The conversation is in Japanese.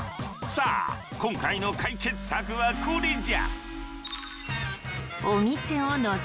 さあ今回の解決策はこれじゃ。